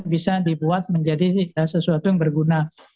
bisa dibuat menjadi sesuatu yang berguna